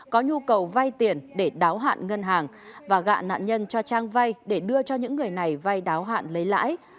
có nhu cầu vay tiền để đáo hạn ngân hàng và gạ nạn nhân cho trang vay để đưa cho những người này vay đáo hạn lấy lãi